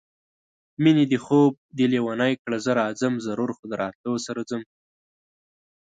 مېنې دې خوب دې لېونی کړه زه راځم ضرور خو د راتلو سره ځم